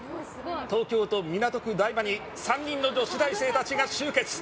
東京都港区台場に３人の女子大生が集結。